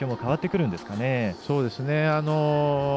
そうですね。